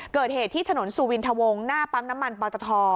เกิดเหตุที่ถนนสุวินทวงหน้าปั๊มน้ำมันปอตท